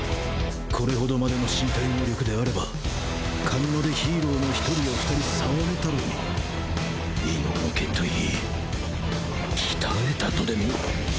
これ程までの身体能力であれば神野でヒーローの１人や２人触れたろうに異能の件といい鍛えたとでも？